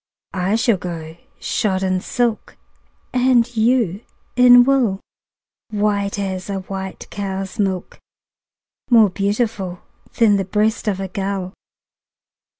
I shall go shod in silk, And you in wool, White as a white cow's milk, More beautiful Than the breast of a gull.